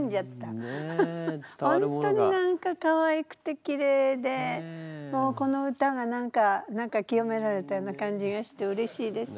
本当に何かかわいくてきれいでもうこの歌が何か清められたような感じがしてうれしいです。